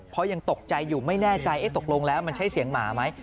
เพราะยังตกใจอยู่ไม่แน่ใจตกลงแล้วมันใช่เสียงหมาไหม